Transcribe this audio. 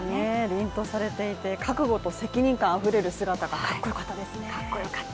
りんとされていて、覚悟と責任感あふれる姿がかっこよかったですよね。